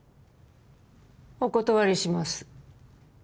お断りします